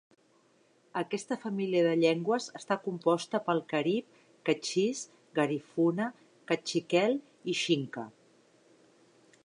Aquesta família de llengües està composta pel carib, kektxís, garifuna, kaqtxikel i xinca.